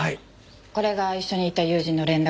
これが一緒に行った友人の連絡先。